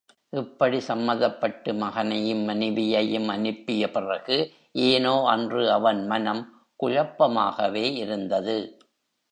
இப்படி சம்மதப்பட்டு மகனையும், மனைவியையும் அனுப்பிய பிறகு, ஏனோ அன்று அவன் மனம் குழப்பமாகவே இருந்தது.